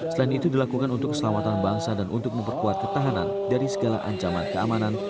selain itu dilakukan untuk keselamatan bangsa dan untuk memperkuat ketahanan dari segala ancaman keamanan